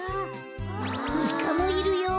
イカもいるよ！